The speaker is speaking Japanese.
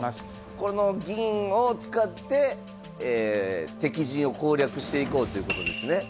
この銀を使って敵陣を攻略していこうということですね。